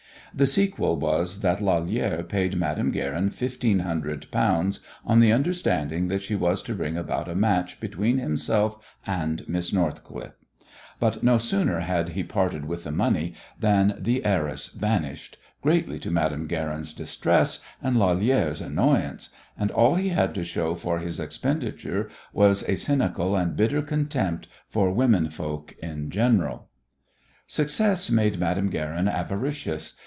The sequel was that Lalère paid Madame Guerin fifteen hundred pounds on the understanding that she was to bring about a match between himself and Miss Northcliffe. But no sooner had he parted with the money than the "heiress" vanished, greatly to Madame Guerin's distress and Lalère's annoyance; and all he had to show for his expenditure was a cynical and bitter contempt for women folk in general. Success made Madame Guerin avaricious.